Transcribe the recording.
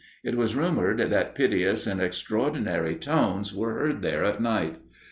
It was rumoured that piteous and extraordinary tones were heard there at night.